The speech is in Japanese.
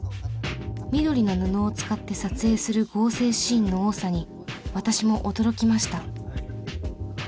緑の布を使って撮影する合成シーンの多さに私も驚きました。